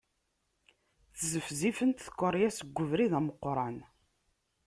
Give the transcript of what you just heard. Ttzefritent tkeṛyas deg ubrid ameqqran.